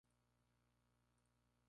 Es sede de la diócesis de Świdnica.